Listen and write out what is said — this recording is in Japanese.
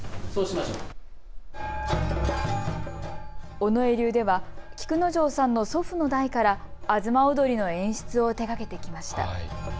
尾上流では菊之丞さんの祖父の代から東をどりの演出を手がけてきました。